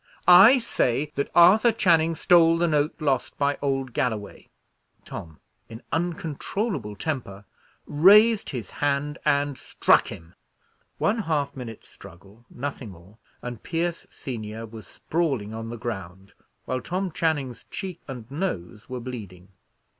I say that Arthur Channing stole the note lost by old Galloway." Tom, in uncontrollable temper, raised his hand and struck him. One half minute's struggle, nothing more, and Pierce senior was sprawling on the ground, while Tom Channing's cheek and nose were bleeding.